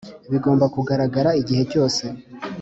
bigomba kugaragara igihe cyose